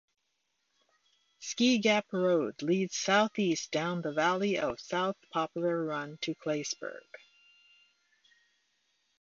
Ski Gap Road leads southeast down the valley of South Poplar Run to Claysburg.